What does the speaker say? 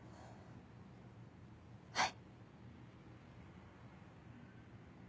はい。